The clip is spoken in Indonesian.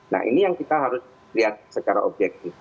nah ini yang kita harus lihat secara objektif